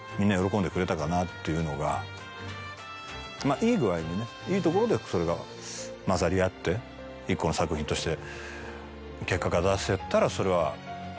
いい具合にねいいところでそれが混ざり合って１個の作品として。